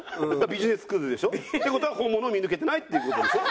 ビジネスクズでしょ？って事は本物を見抜けてないっていう事でしょ？